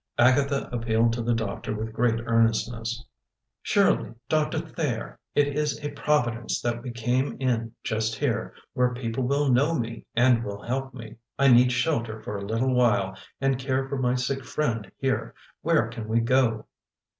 Agatha appealed to the doctor with great earnestness. "Surely, Doctor Thayer, it is a Providence that we came in just here, where people will know me and will help me. I need shelter for a little while, and care for my sick friend here. Where can we go?"